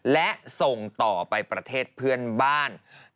และส่งต่อไปประเทศเพื่อนบ้าน